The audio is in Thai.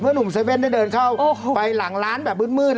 หนุ่มเซเว่นได้เดินเข้าไปหลังร้านแบบมืด